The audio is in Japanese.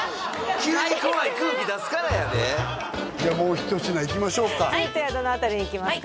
急に怖い空気出すからやでじゃあもう一品いきましょうかはい続いてはどの辺りにいきますか？